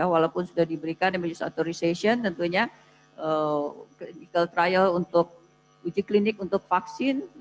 walaupun sudah diberikan emergency authorization tentunya clinical trial untuk uji klinik untuk vaksin